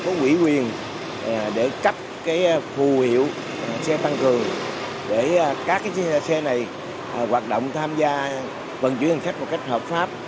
có quỹ quyền để cấp phù hiệu xe tăng cường để các xe này hoạt động tham gia vận chuyển hình khác một cách hợp pháp